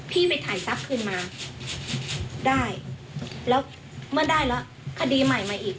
ไปถ่ายทรัพย์คืนมาได้แล้วเมื่อได้แล้วคดีใหม่มาอีก